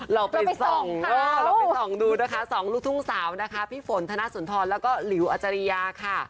เราไปส่องดูนะคะ๒ลูกทุ่งสาวนะคะพี่ฝนธนาสนทรแล้วก็หลิวอัจจริยาค่ะ